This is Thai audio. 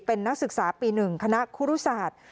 เป็นนักศึกษาปี๑คณะครูรุศาสตร์